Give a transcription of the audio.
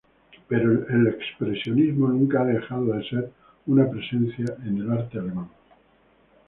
Pero el expresionismo nunca ha dejado de ser una presencia en el arte alemán.